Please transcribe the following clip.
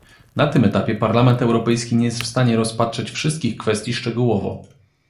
Na tym etapie Parlament Europejski nie jest w stanie rozpatrzeć wszystkich kwestii szczegółowo